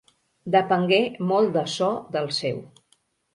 Despengué molt de ço del seu.